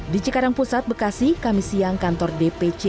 di cikarang pusat bekasi kami siang kantor dpc